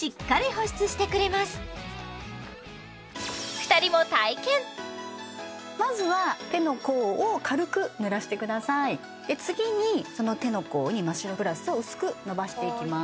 ２人も体験まずは手の甲を軽くぬらしてくださいで次にその手の甲にマ・シロプラスを薄くのばしていきます